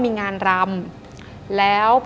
ดิงกระพวน